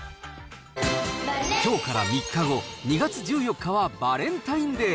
きょうから３日後、２月１４日はバレンタインデー。